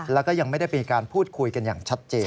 แล้วก็ยังไม่ได้มีการพูดคุยกันอย่างชัดเจน